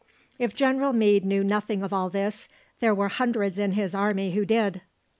If General Meade knew nothing of all this, there were hundreds in his army who did.